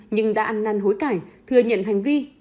nhưng đã ăn năn hối cải thừa nhận hành vi